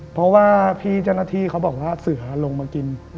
เพราะว่าพี่เจ้าหน้าที่เขาบอกว่าสื่อหาลงมากิน